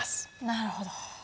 なるほど。